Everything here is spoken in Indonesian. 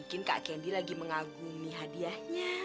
mungkin kak kendi lagi mengagumi hadiahnya